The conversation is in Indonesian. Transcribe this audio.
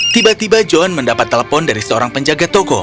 tiba tiba john mendapat telepon dari seorang penjaga toko